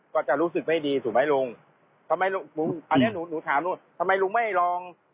ก็จะรู้สึกไม่ดีถูกไหมลุงอันนี้หนูถามทำไมลุงไม่ให้ลอง